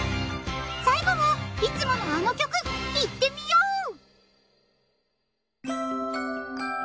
最後はいつものあの曲いってみよう